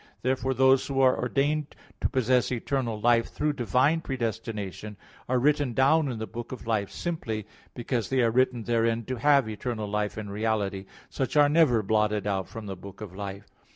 Therefore those who are ordained to possess eternal life through divine predestination are written down in the book of life simply, because they are written therein to have eternal life in reality; such are never blotted out from the book of life.